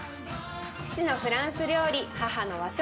父のフランス料理母の和食